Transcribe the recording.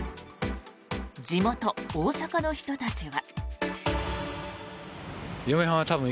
地元・大阪の人たちは。